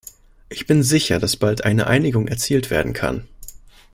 Ich bin sicher, dass bald eine Einigung erzielt werden kann.